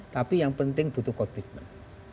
tapi yang penting butuh komitmen